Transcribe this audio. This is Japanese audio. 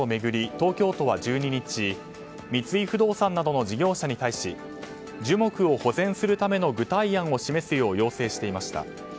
東京都は１２日三井不動産などの事業者に対し樹木を保全するための具体案を示すよう要請していました。